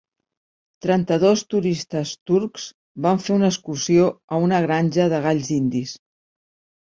Trenta-dos turistes turcs van fer una excursió a una granja de galls dindis.